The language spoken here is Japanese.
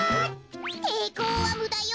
ていこうはむだよ。